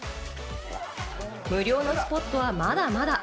無料のスポットはまだまだ。